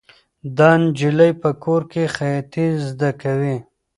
دا نجلۍ په کور کې خیاطي زده کوي.